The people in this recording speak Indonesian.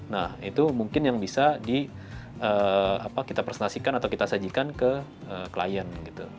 nah itu mungkin yang bisa kita presentasikan atau kita sajikan ke klien gitu